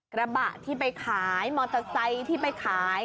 กระบะที่ไปขายมอเตอร์ไซค์ที่ไปขาย